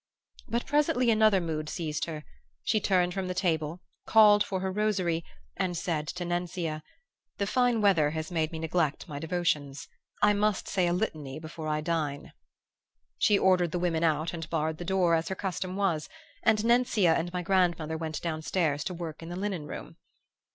"But presently another mood seized her; she turned from the table, called for her rosary, and said to Nencia: 'The fine weather has made me neglect my devotions. I must say a litany before I dine.' "She ordered the women out and barred the door, as her custom was; and Nencia and my grandmother went down stairs to work in the linen room.